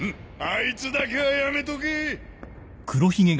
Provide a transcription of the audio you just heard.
あいつだけはやめとけ。